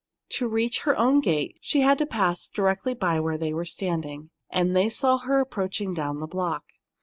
To reach her own gate, she had to pass directly by where they were standing, and they saw her approaching down the block.